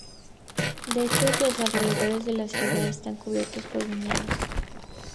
De hecho los alrededores de la ciudad están cubiertos por viñedos.